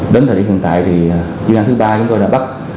đến thời điểm hiện tại thì chuyên án thứ ba chúng tôi đã bắt